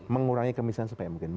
mengurangi kemiskinan sebanyak mungkin